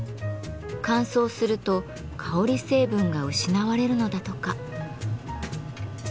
乾燥すると香り成分が失われるのだとか。